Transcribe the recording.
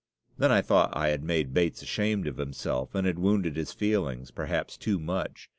Then I thought I had made Bates ashamed of himself, and had wounded his feelings, perhaps, too much.